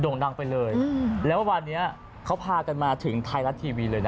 ่งดังไปเลยแล้ววันนี้เขาพากันมาถึงไทยรัฐทีวีเลยนะ